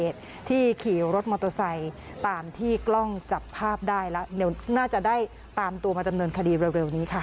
ตามตัวมาจำเนินคดีเร็วนี้ค่ะ